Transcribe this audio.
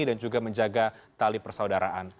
dan juga menjaga tali persaudaraan